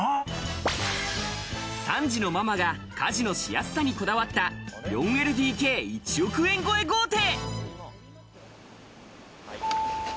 ３児のママが家事のしやすさにこだわった、４ＬＤＫ１億円超え豪邸。